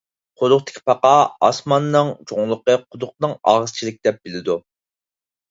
قۇدۇقتىكى پاقا، ئاسماننىڭ چوڭلۇقى قۇدۇقنىڭ ئاغزىچىلىك دەپ بىلىدۇ.